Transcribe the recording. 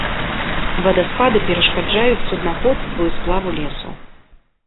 Вадаспады перашкаджаюць суднаходству і сплаву лесу.